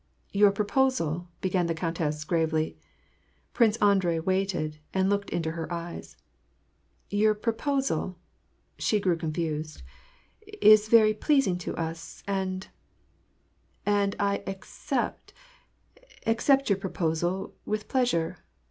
" Your proposal "— began the countess gravely. Prince Andrei waited, and looked into her eyes. " Your proposal "— she grew confused — "is very pleasing to us, and — and I accept, accept your proposal, with pleasure.